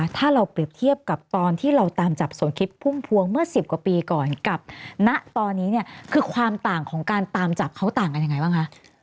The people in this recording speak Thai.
ถ้าเราเปรียบเทียบกับตอนที่เราตามจับสมคิตพุ่มพวงเมื่อ๑๐กว่าปีก่อนกับณตอนนี้เนี่ยคือความต่างของการตามจับเขาต่างกันยังไงบ้างคะ